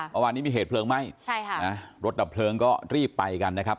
เมื่อวานนี้มีเหตุเพลิงไหม้ใช่ค่ะนะรถดับเพลิงก็รีบไปกันนะครับ